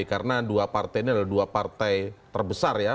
karena dua partai ini adalah dua partai terbesar ya